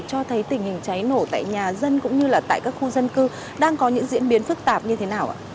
cho thấy tình hình cháy nổ tại nhà dân cũng như là tại các khu dân cư đang có những diễn biến phức tạp như thế nào ạ